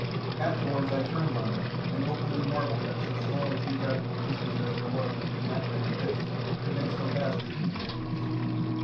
Afterwards I turned on them, and openly marvelled that so small a geographical distance as there was between that land and this could make so vast a human difference.